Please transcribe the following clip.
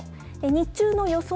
日中の予想